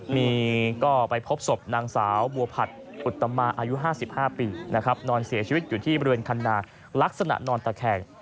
มีก็ไปพบศพนางสาวบัวผัดอุตมาอายุ๕๕ปีนะครับนอนเสียชีวิตอยู่ที่บริเวณคันนาลักษณะนอนตะแคง